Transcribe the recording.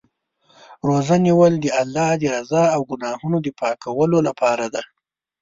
روژه نیول د الله د رضا او ګناهونو د پاکولو لپاره دی.